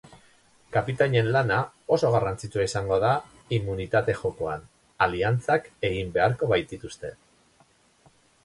Kapitainen lana oso garrantzitsua izango da immunitate jokoan, aliantzak egin beharko baitituzte.